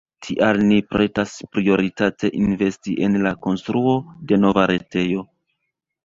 Tial ni pretas prioritate investi en la konstruo de nova retejo.